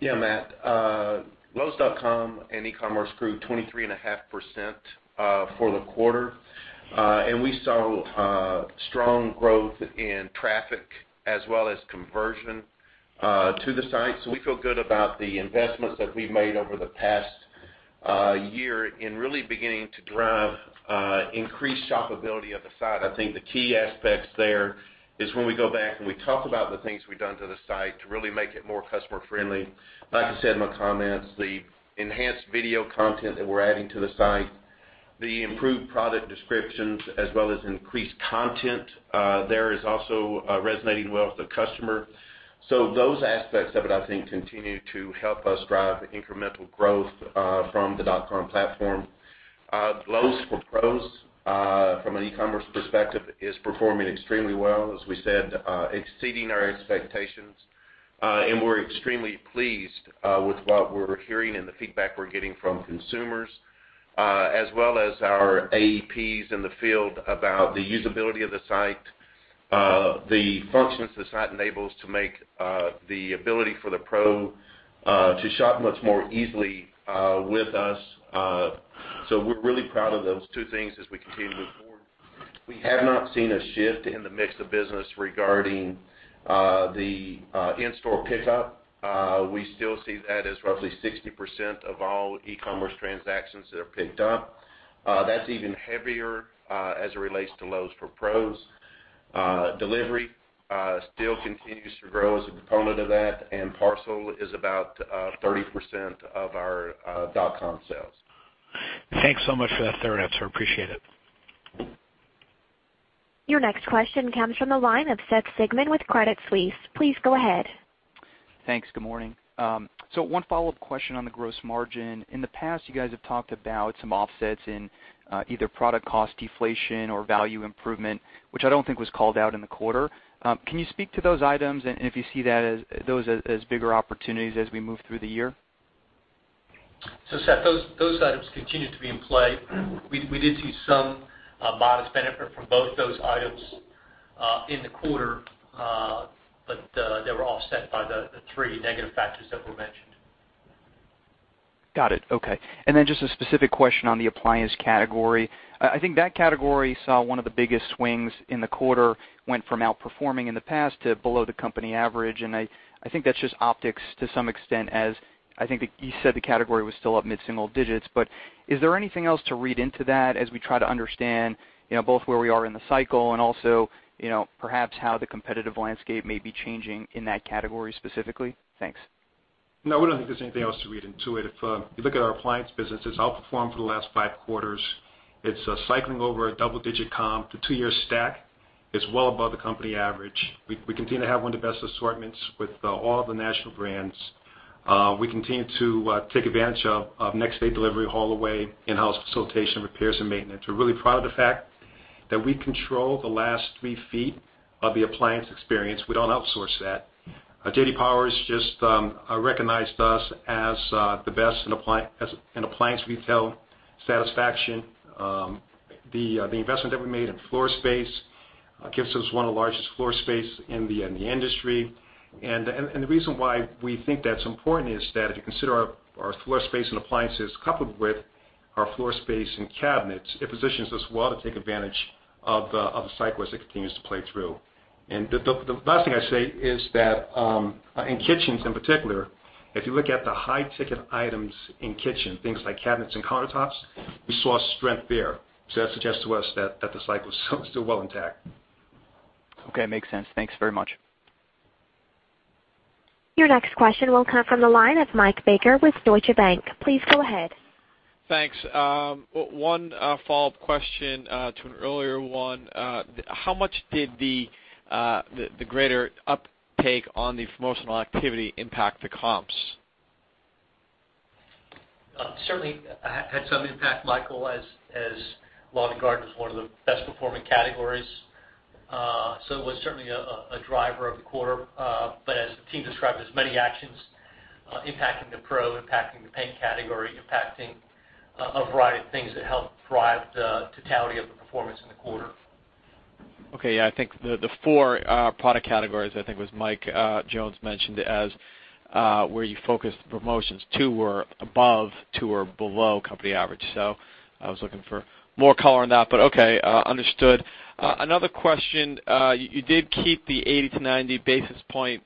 Matt. lowes.com and e-commerce grew 23.5% for the quarter. We saw strong growth in traffic as well as conversion to the site. We feel good about the investments that we've made over the past year in really beginning to drive increased shoppability of the site. I think the key aspects there is when we go back and we talk about the things we've done to the site to really make it more customer friendly. Like I said in my comments, the enhanced video content that we're adding to the site, the improved product descriptions as well as increased content there is also resonating well with the customer. Those aspects of it, I think, continue to help us drive incremental growth from the .com platform. Lowe's for Pros from an e-commerce perspective is performing extremely well, as we said, exceeding our expectations. We're extremely pleased with what we're hearing and the feedback we're getting from consumers as well as our AEPs in the field about the usability of the site, the functions the site enables to make the ability for the pro to shop much more easily with us. We're really proud of those two things as we continue to move forward. We have not seen a shift in the mix of business regarding the in-store pickup. We still see that as roughly 60% of all e-commerce transactions that are picked up. That's even heavier as it relates to Lowe's for Pros. Delivery still continues to grow as a component of that, and parcel is about 30% of our .com sales. Thanks so much for that thorough answer. Appreciate it. Your next question comes from the line of Seth Sigman with Credit Suisse. Please go ahead. Thanks. Good morning. One follow-up question on the gross margin. In the past, you guys have talked about some offsets in either product cost deflation or value improvement, which I don't think was called out in the quarter. Can you speak to those items and if you see those as bigger opportunities as we move through the year? Seth, those items continue to be in play. We did see some modest benefit from both those items in the quarter, but they were offset by the three negative factors that were mentioned. Got it. Okay. Just a specific question on the appliance category. I think that category saw one of the biggest swings in the quarter, went from outperforming in the past to below the company average, and I think that's just optics to some extent, as I think that you said the category was still up mid-single digits. Is there anything else to read into that as we try to understand both where we are in the cycle and also, perhaps how the competitive landscape may be changing in that category specifically? Thanks. No, we don't think there's anything else to read into it. If you look at our appliance business, it's outperformed for the last five quarters. It's cycling over a double-digit comp. The two-year stack is well above the company average. We continue to have one of the best assortments with all the national brands. We continue to take advantage of next-day delivery, haul away, in-house facilitation, repairs, and maintenance. We're really proud of the fact that we control the last three feet of the appliance experience. We don't outsource that. J.D. Power's just recognized us as the best in appliance retail satisfaction. The investment that we made in floor space gives us one of the largest floor space in the industry. The reason why we think that's important is that if you consider our floor space and appliances coupled with our floor space and cabinets, it positions us well to take advantage of the cycle as it continues to play through. The last thing I'd say is that in kitchens in particular, if you look at the high-ticket items in kitchen, things like cabinets and countertops, we saw strength there. That suggests to us that the cycle is still well intact. Okay. Makes sense. Thanks very much. Your next question will come from the line of Michael Baker with Deutsche Bank. Please go ahead. Thanks. One follow-up question to an earlier one. How much did the greater uptake on the promotional activity impact the comps? Certainly had some impact, Michael, as lawn and garden was one of the best-performing categories. It was certainly a driver of the quarter. As the team described, there's many actions impacting the Pro, impacting the paint category, impacting a variety of things that help drive the totality of the performance in the quarter. Okay. Yeah, I think the four product categories, I think it was Mike Jones mentioned as where you focused the promotions, two were above, two were below company average. I was looking for more color on that, but okay. Understood. Another question. You did keep the 80 to 90 basis point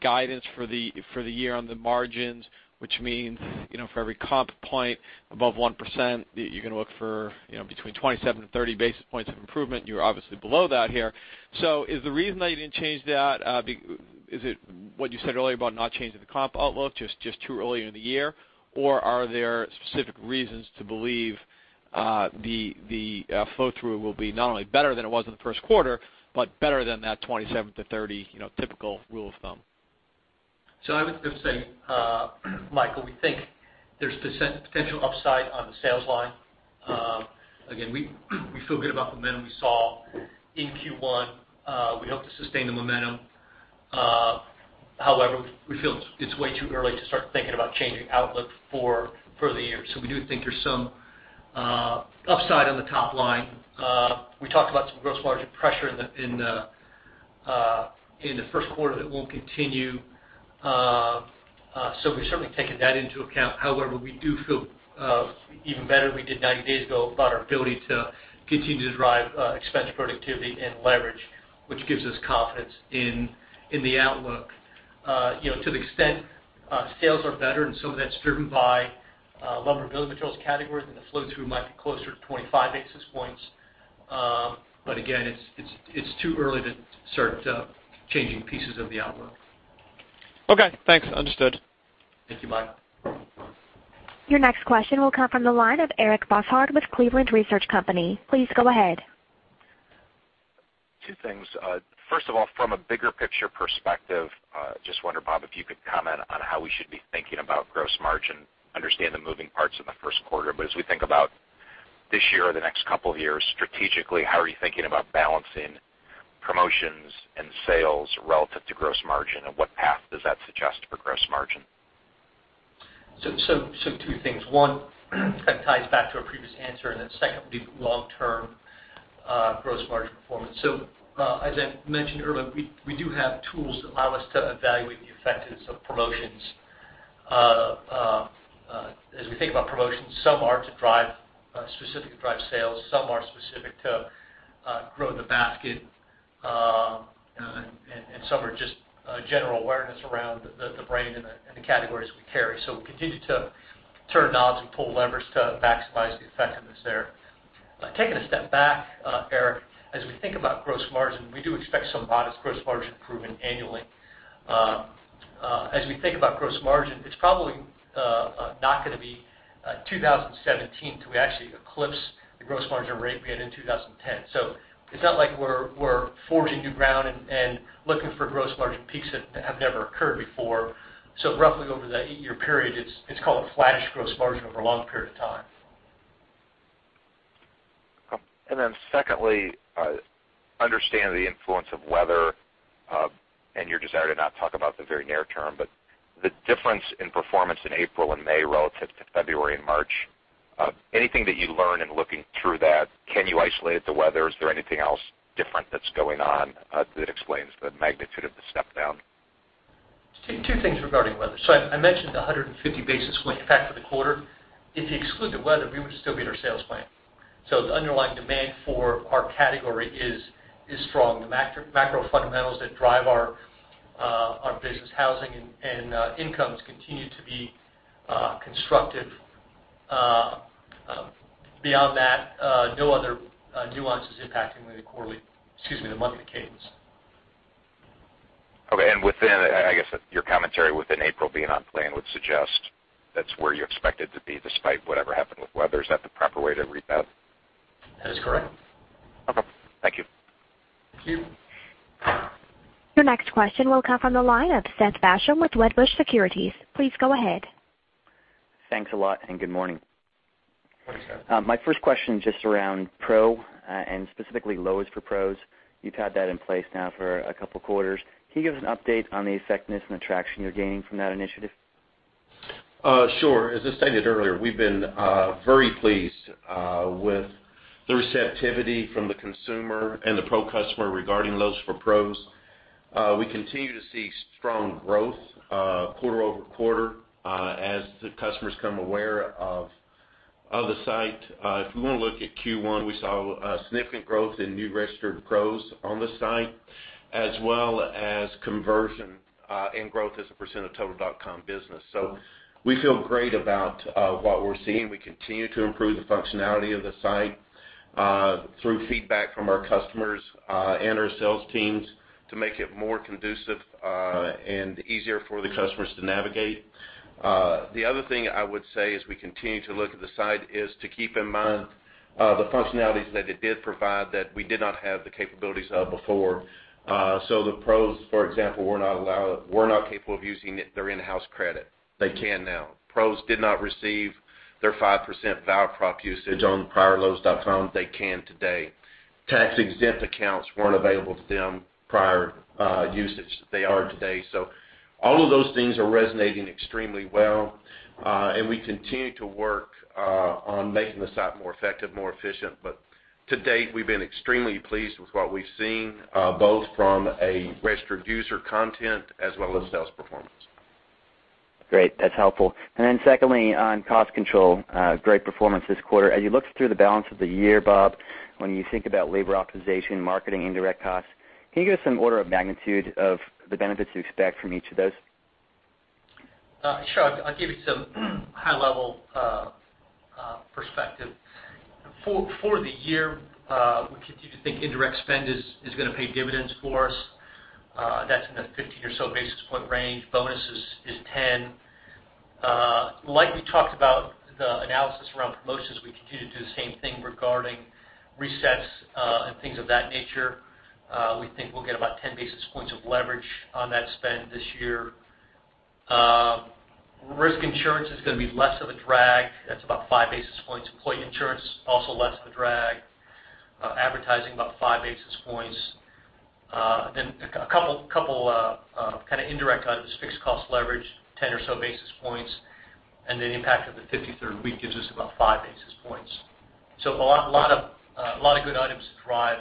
guidance for the year on the margins, which means, for every comp point above 1%, you're going to look for between 27 to 30 basis points of improvement. You're obviously below that here. Is the reason that you didn't change that, is it what you said earlier about not changing the comp outlook, just too early in the year, or are there specific reasons to believe the flow-through will be not only better than it was in the first quarter, but better than that 27 to 30 typical rule of thumb? I would say, Michael, we think there's potential upside on the sales line. Again, we feel good about the momentum we saw in Q1. We hope to sustain the momentum. However, we feel it's way too early to start thinking about changing outlook for the year. We do think there's some upside on the top line. We talked about some gross margin pressure in the first quarter that won't continue. We've certainly taken that into account. However, we do feel even better than we did 90 days ago about our ability to continue to drive expense productivity and leverage, which gives us confidence in the outlook. To the extent sales are better, and some of that's driven by lumber, building materials categories, and the flow-through might be closer to 25 basis points. Again, it's too early to start changing pieces of the outlook. Okay, thanks. Understood. Thank you, Mike. Your next question will come from the line of Eric Bosshard with Cleveland Research Company. Please go ahead. Two things. First of all, from a bigger picture perspective, just wonder, Bob, if you could comment on how we should be thinking about gross margin, understand the moving parts in the first quarter. As we think about this year or the next couple of years, strategically, how are you thinking about balancing promotions and sales relative to gross margin, and what path does that suggest for gross margin? Two things. One, kind of ties back to a previous answer, and then second would be long-term gross margin performance. As I mentioned earlier, we do have tools that allow us to evaluate the effectiveness of promotions. As we think about promotions, some are to specifically drive sales, some are specific to grow the basket, and some are just general awareness around the brand and the categories we carry. We continue to turn knobs and pull levers to maximize the effectiveness there. Taking a step back, Eric, as we think about gross margin, we do expect some modest gross margin improvement annually. As we think about gross margin, it's probably not going to be 2017 till we actually eclipse the gross margin rate we had in 2010. It's not like we're forging new ground and looking for gross margin peaks that have never occurred before. Roughly over the eight-year period, it's called a flattish gross margin over a long period of time. secondly, I understand the influence of weather, and your desire to not talk about the very near term, the difference in performance in April and May relative to February and March, anything that you learn in looking through that? Can you isolate the weather? Is there anything else different that's going on that explains the magnitude of the step down? Two things regarding weather. I mentioned the 150 basis point impact for the quarter. If you exclude the weather, we would still beat our sales plan. The underlying demand for our category is strong. The macro fundamentals that drive our business, housing and incomes, continue to be constructive. Beyond that, no other nuances impacting the monthly cadence. Okay. within, I guess your commentary within April being on plan would suggest that's where you expect it to be despite whatever happened with weather. Is that the proper way to read that? That is correct. Okay. Thank you. Thank you. Your next question will come from the line of Seth Basham with Wedbush Securities. Please go ahead. Thanks a lot, and good morning. Thanks, Seth. My first question is just around Pro, and specifically Lowe's for Pros. You've had that in place now for a couple of quarters. Can you give us an update on the effectiveness and the traction you're gaining from that initiative? Sure. As I stated earlier, we've been very pleased with the receptivity from the consumer and the pro customer regarding Lowe's for Pros. We continue to see strong growth quarter-over-quarter as the customers become aware of the site. If we want to look at Q1, we saw significant growth in new registered pros on the site, as well as conversion and growth as a percent of total dot-com business. We feel great about what we're seeing. We continue to improve the functionality of the site through feedback from our customers and our sales teams to make it more conducive and easier for the customers to navigate. The other thing I would say as we continue to look at the site is to keep in mind the functionalities that it did provide that we did not have the capabilities of before. The pros, for example, were not capable of using their in-house credit. They can now. Pros did not receive their 5% voucher usage on the prior Lowes.com. They can today. Tax-exempt accounts weren't available to them prior to usage. They are today. All of those things are resonating extremely well, and we continue to work on making the site more effective, more efficient. To date, we've been extremely pleased with what we've seen, both from a registered user content as well as sales performance. Great. That's helpful. Then secondly, on cost control, great performance this quarter. As you look through the balance of the year, Bob, when you think about labor optimization, marketing, indirect costs, can you give us some order of magnitude of the benefits you expect from each of those? Sure. I'll give you some high-level perspective. For the year, we continue to think indirect spend is going to pay dividends for us. That's in the 15 or so basis point range. Bonuses is 10. Like we talked about the analysis around promotions, we continue to do the same thing regarding resets and things of that nature. We think we'll get about 10 basis points of leverage on that spend this year. Risk insurance is going to be less of a drag. That's about five basis points. Employee insurance, also less of a drag. Advertising, about five basis points. Then a couple of kind of indirect items, fixed cost leverage, 10 or so basis points, and the impact of the 53rd week gives us about five basis points. A lot of good items to drive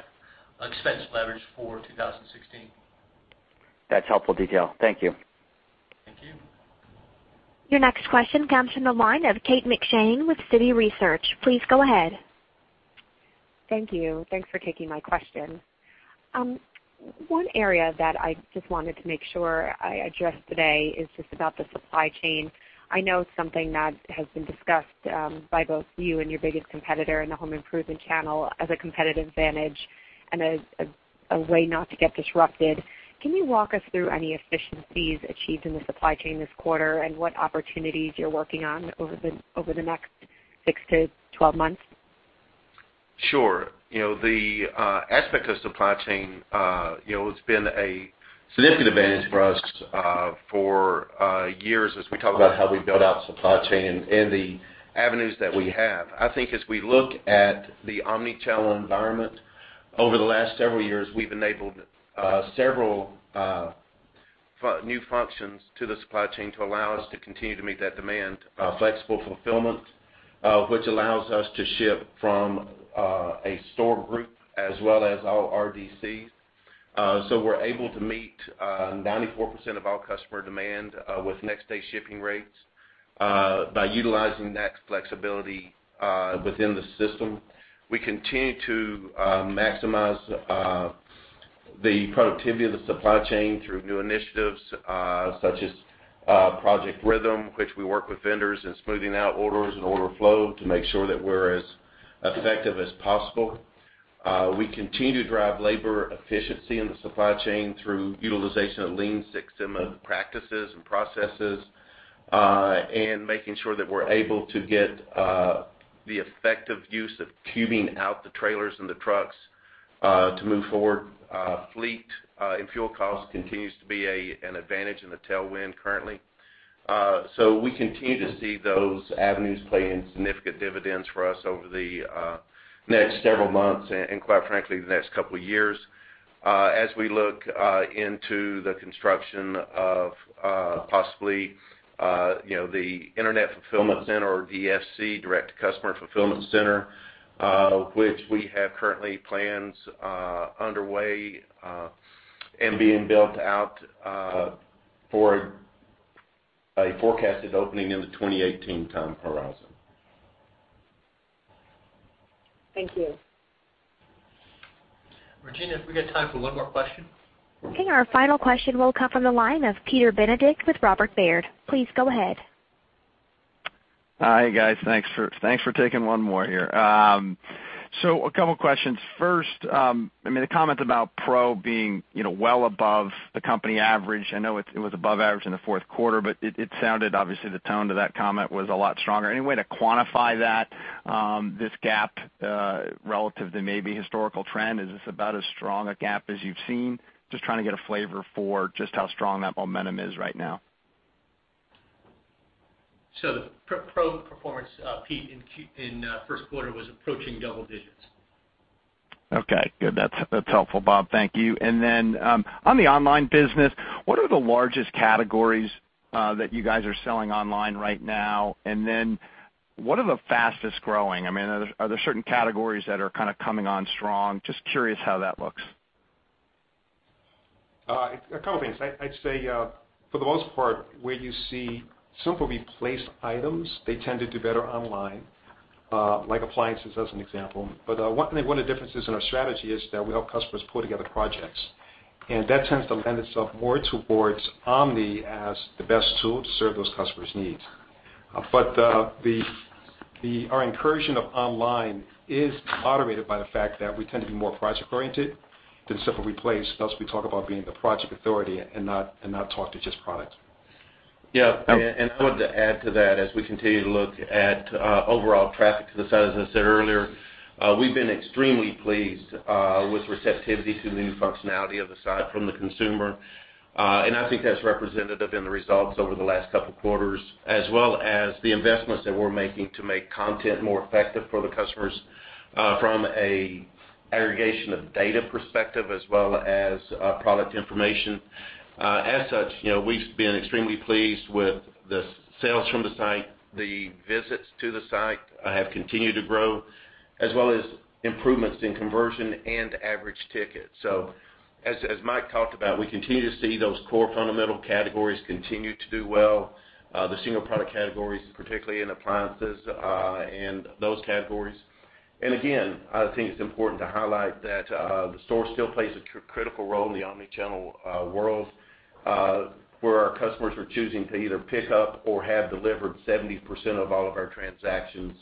expense leverage for 2016. That's helpful detail. Thank you. Thank you. Your next question comes from the line of Kate McShane with Citi Research. Please go ahead. Thank you. Thanks for taking my question. One area that I just wanted to make sure I address today is just about the supply chain. I know it's something that has been discussed by both you and your biggest competitor in the home improvement channel as a competitive advantage and as a way not to get disrupted. Can you walk us through any efficiencies achieved in the supply chain this quarter, and what opportunities you're working on over the next six to 12 months? Sure. The aspect of supply chain has been a significant advantage for us for years as we talk about how we build out supply chain and the avenues that we have. I think as we look at the omnichannel environment, over the last several years, we've enabled several new functions to the supply chain to allow us to continue to meet that demand. Flexible fulfillment, which allows us to ship from a store group as well as all RDCs. We're able to meet 94% of our customer demand with next-day shipping rates by utilizing that flexibility within the system. We continue to maximize the productivity of the supply chain through new initiatives such as Project Rhythm, which we work with vendors in smoothing out orders and order flow to make sure that we're as effective as possible. We continue to drive labor efficiency in the supply chain through utilization of Lean Six Sigma practices and processes, and making sure that we're able to get the effective use of cubing out the trailers and the trucks to move forward. Fleet and fuel cost continues to be an advantage and a tailwind currently. We continue to see those avenues play in significant dividends for us over the next several months, and quite frankly, the next couple of years. As we look into the construction of possibly the internet fulfillment center or DFC, direct customer fulfillment center, which we have currently plans underway and being built out for a forecasted opening in the 2018 time horizon. Thank you. Virginia, have we got time for one more question? Okay. Our final question will come from the line of Peter Benedict with Robert W. Baird. Please go ahead. Hi, guys. Thanks for taking one more here. A couple of questions. First, the comment about Pro being well above the company average. I know it was above average in the fourth quarter, but it sounded, obviously, the tone to that comment was a lot stronger. Any way to quantify that, this gap, relative to maybe historical trend? Is this about as strong a gap as you've seen? Just trying to get a flavor for just how strong that momentum is right now. The Pro performance, Pete, in first quarter was approaching double digits. Okay, good. That's helpful, Bob, thank you. On the online business, what are the largest categories that you guys are selling online right now? What are the fastest-growing? Are there certain categories that are kind of coming on strong? Just curious how that looks. A couple of things. I'd say, for the most part, where you see simple replace items, they tend to do better online, like appliances as an example. One of the differences in our strategy is that we help customers pull together projects, and that tends to lend itself more towards omni as the best tool to serve those customers' needs. Our incursion of online is moderated by the fact that we tend to be more project-oriented than simple replace. Thus, we talk about being the project authority and not talk to just products. Yeah. I wanted to add to that, as we continue to look at overall traffic to the site, as I said earlier, we've been extremely pleased with receptivity to the new functionality of the site from the consumer. I think that's representative in the results over the last couple of quarters, as well as the investments that we're making to make content more effective for the customers, from a aggregation of data perspective, as well as product information. As such, we've been extremely pleased with the sales from the site. The visits to the site have continued to grow, as well as improvements in conversion and average ticket. As Mike talked about, we continue to see those core fundamental categories continue to do well. The single product categories, particularly in appliances, and those categories. Again, I think it's important to highlight that the store still plays a critical role in the omni-channel world where our customers are choosing to either pick up or have delivered 70% of all of our transactions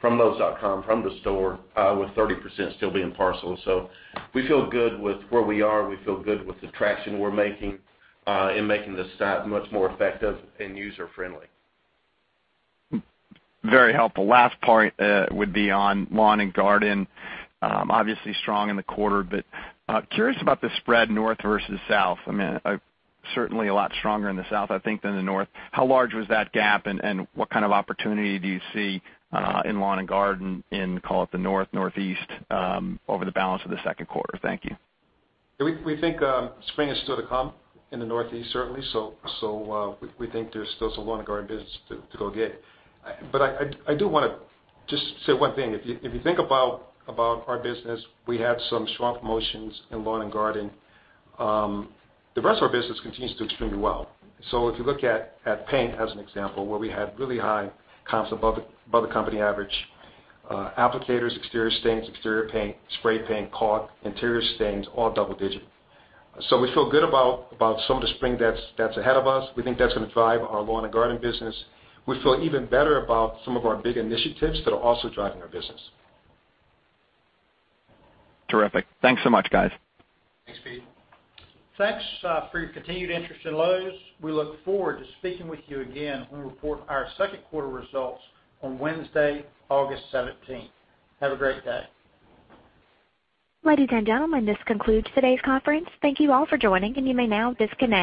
from Lowes.com, from the store, with 30% still being parcel. We feel good with where we are. We feel good with the traction we're making in making the site much more effective and user-friendly. Very helpful. Last part would be on lawn and garden. Obviously strong in the quarter, but curious about the spread north versus south. Certainly a lot stronger in the south, I think, than the north. How large was that gap, and what kind of opportunity do you see in lawn and garden in, call it, the north, northeast, over the balance of the second quarter? Thank you. We think spring is still to come in the northeast, certainly. We think there's still some lawn and garden business to go get. I do want to just say one thing. If you think about our business, we had some strong promotions in lawn and garden. The rest of our business continues to do extremely well. If you look at paint as an example, where we had really high comps above the company average. Applicators, exterior stains, exterior paint, spray paint, caulk, interior stains, all double-digit. We feel good about some of the spring that's ahead of us. We think that's going to drive our lawn and garden business. We feel even better about some of our big initiatives that are also driving our business. Terrific. Thanks so much, guys. Thanks, Pete. Thanks for your continued interest in Lowe's. We look forward to speaking with you again when we report our second quarter results on Wednesday, August 17th. Have a great day. Ladies and gentlemen, this concludes today's conference. Thank you all for joining, and you may now disconnect.